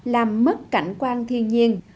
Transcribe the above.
làm mất cảnh quan thiên nhiên